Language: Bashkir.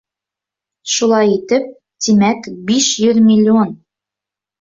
Шулай итеп, тимәк, биш йөҙ миллион...